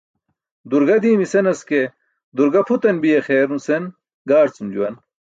Durga diimi senas ke, "durga" pʰutan biya xeer nuse gaarcum juwan.